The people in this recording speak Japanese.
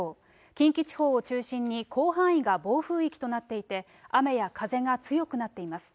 近畿地方を中心に、広範囲が暴風域となっていて、雨や風が強くなっています。